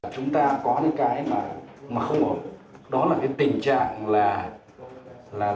chúng giải quyết ngay